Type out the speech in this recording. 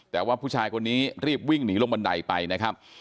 แต่ว่าผู้ชายคนนี้รีบวิ่งหนีลงบันไดไปนะครับ